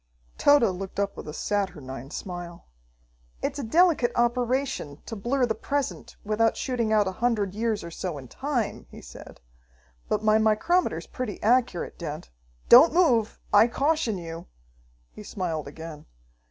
Tode looked up with a saturnine smile. "It's a delicate operation to blur the present without shooting out a hundred years or so in time," he said, "but my micrometer's pretty accurate, Dent. Don't move, I caution you!" He smiled again.